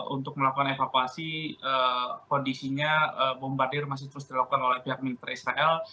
untuk melakukan evakuasi kondisinya bombardir masih terus dilakukan oleh pihak militer israel